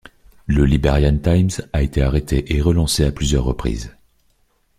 Le Liberian Times a été arrêté et relancé à plusieurs reprises.